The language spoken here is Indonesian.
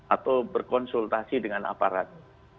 atau berkonsultasi dengan aparat